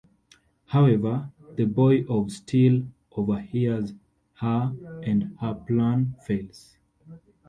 However, the Boy of Steel overhears her and her plan fails.